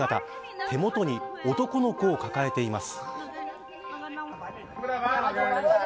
手元に男の子を抱えています。